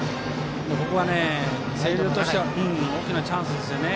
ここは星稜としては大きなチャンスですよ。